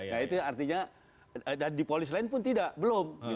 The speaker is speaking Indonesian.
nah itu artinya di polis lain pun tidak belum